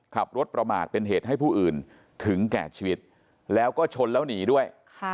ขับรถประมาทเป็นเหตุให้ผู้อื่นถึงแก่ชีวิตแล้วก็ชนแล้วหนีด้วย